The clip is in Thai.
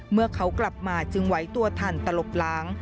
เมื่อเขากลับมาจึงไหวตัวทันตลบล้าง